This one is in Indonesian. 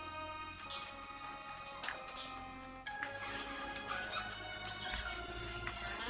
pokoknya nela gak mau makan